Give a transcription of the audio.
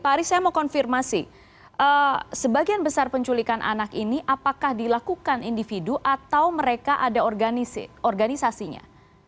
pak aris saya mau konfirmasi sebagian besar penculikan anak ini apakah dilakukan individu atau mereka ada organisasinya